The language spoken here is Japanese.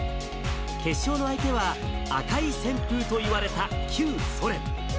決勝の相手は、赤い旋風といわれた旧ソ連。